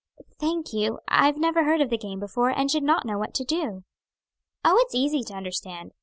"Thank you; I never heard of the game before, and should not know what to do." "Oh, it's easy to understand.